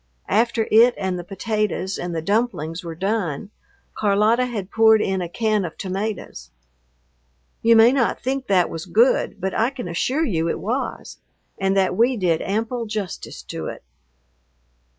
After it and the potatoes and the dumplings were done, Carlota had poured in a can of tomatoes. You may not think that was good, but I can assure you it was and that we did ample justice to it.